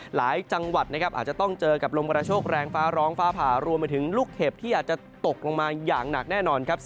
หลายจังหวัดนะครับอาจจะต้องเจอกับลมกระโชคแรงฟ้าร้องฟ้าผ่ารวมไปถึงลูกเห็บที่อาจจะตกลงมาอย่างหนักแน่นอนครับ